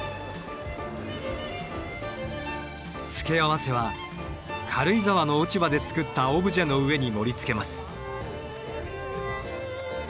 付け合わせは軽井沢の落ち葉で作ったオブジェの上に盛りつけます。